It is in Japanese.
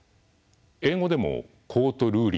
英語でも「コート・ルーリング」